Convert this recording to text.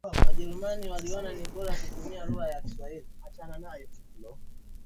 Chakula kimeungua.